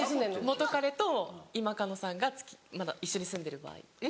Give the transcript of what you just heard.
元カレと今カノさんがまだ一緒に住んでる場合。